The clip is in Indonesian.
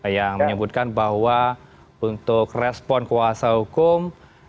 yang menyebutkan bahwa untuk respon kuasa hukum